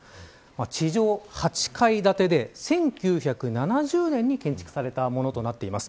地上８階建てで１９７０年に建築されたものとなってます。